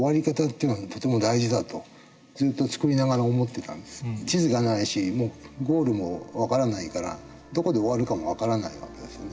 極端に言うと地図がないしゴールも分からないからどこで終わるかも分からない訳ですね。